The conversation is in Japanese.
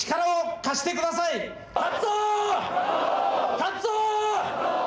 勝つぞー。